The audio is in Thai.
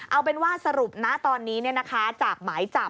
เอาเป็นว่าสรุปนะตอนนี้จากหมายจับ